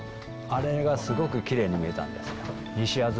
あれがすごくきれいに見えたんです。